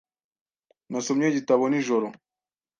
Nasomye igitabo nijoro .